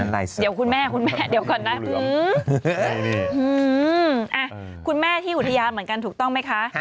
เดี๋ยวคุณแม่คุณแม่เดี๋ยวก่อนนะคุณแม่ที่อุทยานเหมือนกันถูกต้องไหมคะ